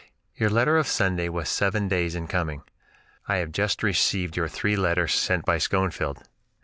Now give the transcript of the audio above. Your letter of Sunday was seven days in coming. I have just received your three letters sent by Schoenfield.